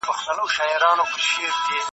کبابي خپلې ټولې لوښې په ډېر پام سره ومینځلې.